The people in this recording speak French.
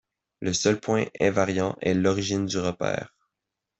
Le seul point invariant est l'origine du repère.